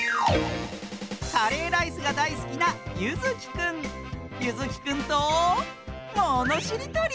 カレーライスがだいすきなゆずきくんとものしりとり！